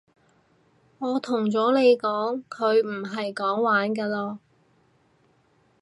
我同咗你講佢唔係講玩㗎囉